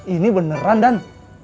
ini beneran dan